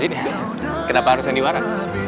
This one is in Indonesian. jadi kenapa harus sandiwara